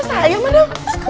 itu saya mbak